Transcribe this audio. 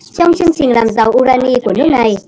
trong chương trình làm giáo urani của nước này